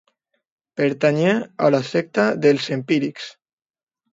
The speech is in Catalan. Pertanyé a la secta dels empírics.